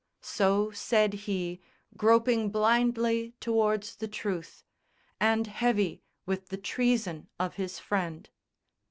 So said he, groping blindly towards the truth, And heavy with the treason of his friend.